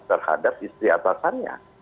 terhadap istri atasannya